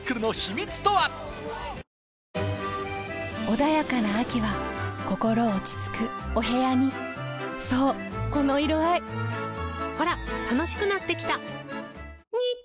穏やかな秋は心落ち着くお部屋にそうこの色合いほら楽しくなってきた！